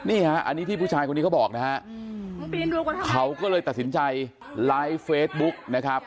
อันนี้ผู้ชายคนนี้เขาบอกเขาก็เลยตัดสินใจไว้ลายฟ์เฟสบุ๊ค